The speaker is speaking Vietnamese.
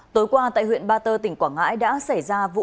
tối qua tại huyện ba tơ tỉnh quảng ngãi